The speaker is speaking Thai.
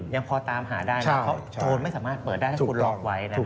ยังพอตามหาได้นะเพราะโจรไม่สามารถเปิดได้ถ้าคุณล็อกไว้นะครับ